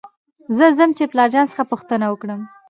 زه ځم چې پلار جان څخه پوښتنه وکړم .